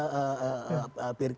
sedikit lagi ya